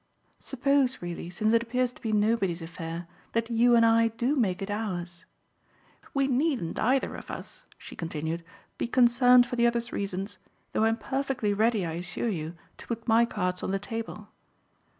Suppose, really, since it appears to be nobody's affair, that you and I do make it ours. We needn't either of us," she continued, "be concerned for the other's reasons, though I'm perfectly ready, I assure you, to put my cards on the table.